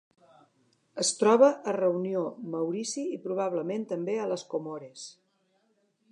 Es troba a Reunió, Maurici i, probablement també, a les Comores.